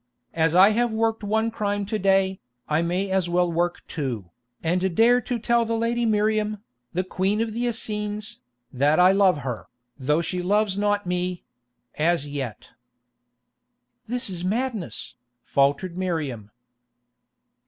"As I have worked one crime to day, I may as well work two, and dare to tell the lady Miriam, the Queen of the Essenes, that I love her, though she loves not me—as yet." "This is madness," faltered Miriam.